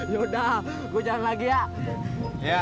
ya udah gue jalan lagi ya